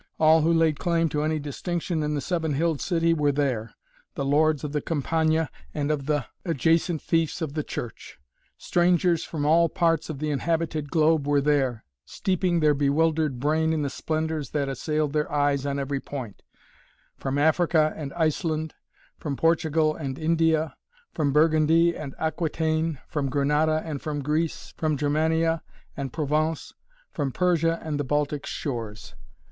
All who laid claim to any distinction in the seven hilled city were there, the lords of the Campagna and of the adjacent fiefs of the Church. Strangers from all parts of the inhabited globe were there, steeping their bewildered brain in the splendors that assailed their eyes on every point; from Africa and Iceland, from Portugal and India, from Burgundy and Aquitaine, from Granada and from Greece, from Germania and Provence, from Persia and the Baltic shores.